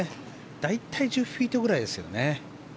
大体１０フィートくらいですよね。